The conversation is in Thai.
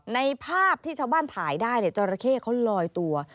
ในภาพที่ชาวบ้านถ่ายได้จราเข้เขาลอยตัว